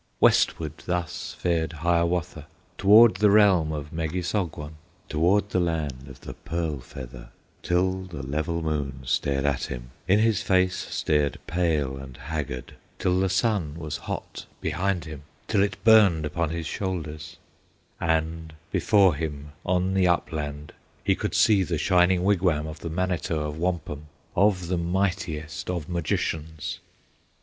Westward thus fared Hiawatha, Toward the realm of Megissogwon, Toward the land of the Pearl Feather, Till the level moon stared at him In his face stared pale and haggard, Till the sun was hot behind him, Till it burned upon his shoulders, And before him on the upland He could see the Shining Wigwam Of the Manito of Wampum, Of the mightiest of Magicians.